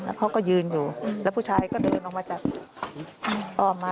แล้วเขาก็ยืนอยู่แล้วผู้ชายก็เดินออกมาจากอ้อมมา